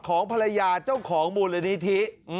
ของภรรยาเจ้าของมูลนิธิ